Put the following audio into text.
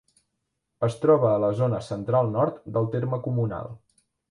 Es troba a la zona central-nord del terme comunal.